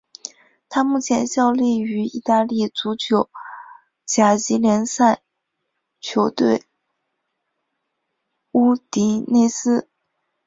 他目前效力于意大利足球甲级联赛球队乌迪内斯。